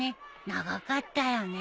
長かったよね。